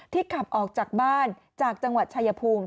ขับออกจากบ้านจากจังหวัดชายภูมิ